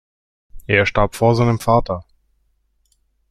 Er starb vor seinem Vater.